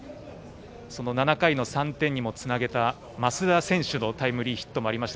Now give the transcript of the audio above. ７回の３点にもつなげた増田選手のタイムリーヒットもありました。